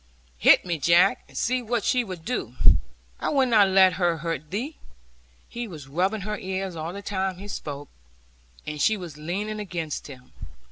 'Hit me, Jack, and see what she will do. I will not let her hurt thee.' He was rubbing her ears all the time he spoke, and she was leaning against him.